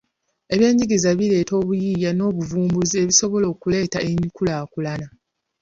Eby'enjigiriza bireeta obuyiiya n'obuvumbuzi ebisobola okuleeta enkulaakulana.